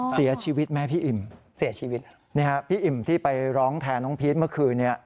เสียชีวิตไหมพี่อิ่มเสียชีวิตนี่ฮะพี่อิ่มที่ไปร้องแทนน้องพีชเมื่อคืนนี้